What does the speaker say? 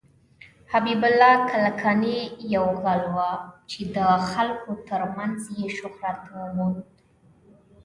حبيب الله کلکاني يو غل وه ،چې د خلکو تر منځ يې شهرت وموند.